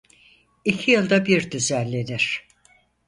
İki yılda bir düzenlenir.